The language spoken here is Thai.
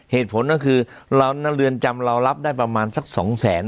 เหตุผลก็คือเรือนจำเรารับได้ประมาณสักสองแสน